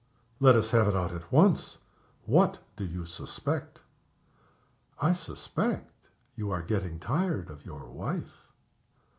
Let us have it out at once. What do you suspect?" "I suspect you are getting tired of your wife."